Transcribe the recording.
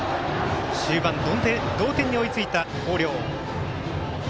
終盤、同点に追いついた広陵。